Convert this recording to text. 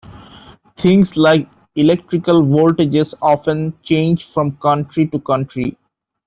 Things like electrical voltages often change from country to country.